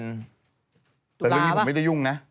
แต่เรื่องนี้ผมไม่ได้ยุ่งนะ